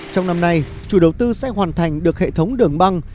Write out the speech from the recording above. trong năm nay chủ đầu tư sẽ hoàn thành được hệ thống đường băng